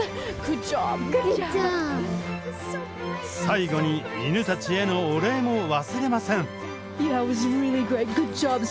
最後に犬たちへのお礼も忘れません。